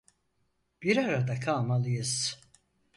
Bir arada kalmalıyız.